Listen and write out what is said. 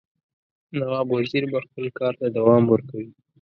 نواب وزیر به خپل کارته دوام ورکوي.